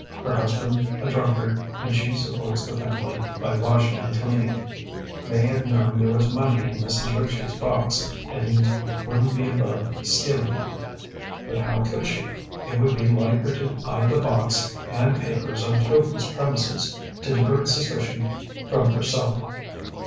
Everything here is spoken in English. Her husband a drunkard and she supports the family by washing and cleaning. May have known there was money in Mrs. Ritchie's box and wouldn't be above stealing it. But how could she? It would be like her to hide the box and papers on Toby's premises, to divert suspicion from herself.